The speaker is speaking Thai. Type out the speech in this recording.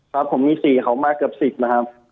ครับผมมี๔เขามาเกือบ๑๐นะครับ